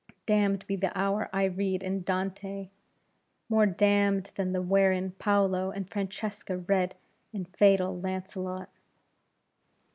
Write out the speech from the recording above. Damned be the hour I read in Dante! more damned than that wherein Paolo and Francesca read in fatal Launcelot!"